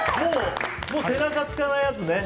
もう、背中つかないやつね。